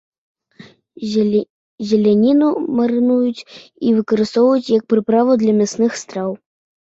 Зеляніну марынуюць і выкарыстоўваюць як прыправу для мясных страў.